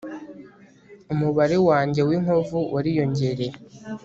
umubare wanjye w'inkovu wariyongereye